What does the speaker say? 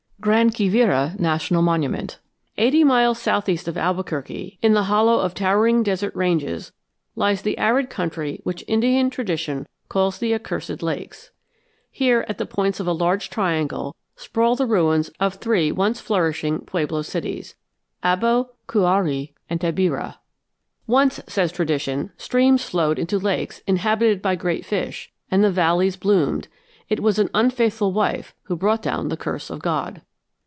GRAN QUIVIRA NATIONAL MONUMENT Eighty miles southeast of Albuquerque, in the hollow of towering desert ranges, lies the arid country which Indian tradition calls the Accursed Lakes. Here, at the points of a large triangle, sprawl the ruins of three once flourishing pueblo cities, Abo, Cuaray, and Tabirá. Once, says tradition, streams flowed into lakes inhabited by great fish, and the valleys bloomed; it was an unfaithful wife who brought down the curse of God.